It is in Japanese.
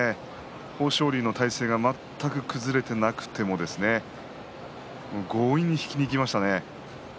豊昇龍の体勢が全く崩れていなくて強引に引きにいきましたね。